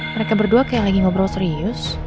mereka berdua kayak lagi ngobrol serius